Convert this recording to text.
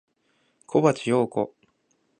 小峰洋子